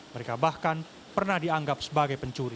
mereka bahkan pernah dianggap sebagai pencuri